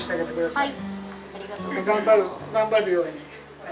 はい。